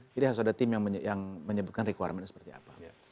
jadi harus ada tim yang menyebutkan requirement seperti apa